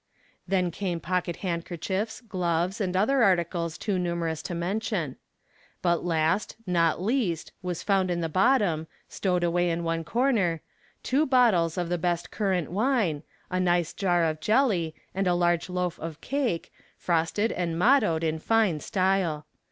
Then came pocket handkerchiefs, gloves, and other articles too numerous to mention. But last, not least, was found in the bottom, stowed away in one corner, two bottles of the best currant wine, a nice jar of jelly, and a large loaf of cake, frosted and mottoed in fine style.